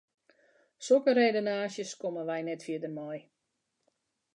Sokke redenaasjes komme wy net fierder mei.